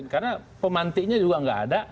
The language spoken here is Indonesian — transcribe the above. karena pemantinya juga nggak ada